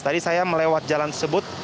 tadi saya melewat jalan tersebut